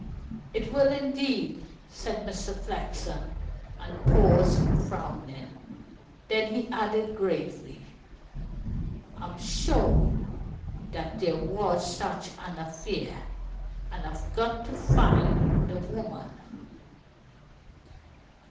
"It will, indeed," said Mr. Flexen, and paused, frowning. Then he added gravely: "I'm sure that there was such an affair, and I've got to find the woman."